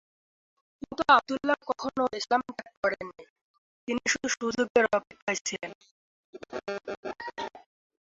কিন্তু আবদুল্লাহ কখনো ইসলাম ত্যাগ করেননি, তিনি শুধু সুযোগের অপেক্ষায় ছিলেন।